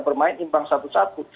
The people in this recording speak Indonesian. bermain imbang satu satu